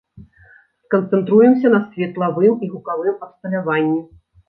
Сканцэнтруемся на светлавым і гукавым абсталяванні.